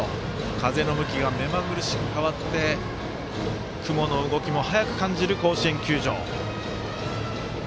風の向きが目まぐるしく変わって雲の動きも速く感じる甲子園球場。